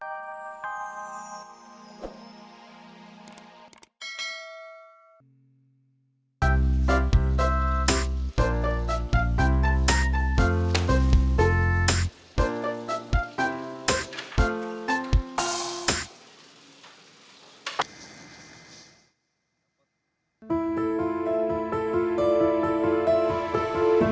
terima kasih mas